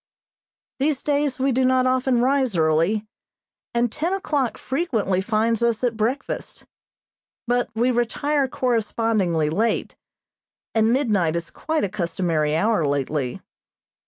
These days we do not often rise early, and ten o'clock frequently finds us at breakfast, but we retire correspondingly late, and midnight is quite a customary hour lately.